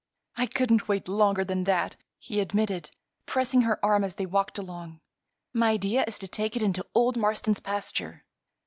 "I couldn't wait longer than that," he admitted, pressing her arm as they walked along. "My idea is to take it into old Marston's pasture."